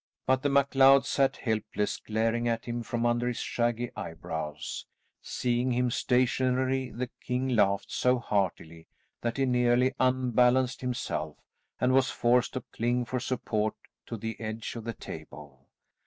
But the MacLeod sat helpless, glaring at him from under his shaggy eyebrows. Seeing him stationary the king laughed so heartily that he nearly unbalanced himself, and was forced to cling for support to the edge of the table.